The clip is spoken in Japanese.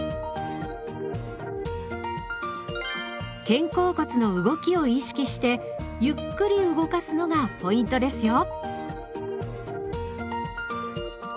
肩甲骨の動きを意識してゆっくり動かすのがポイントですよ。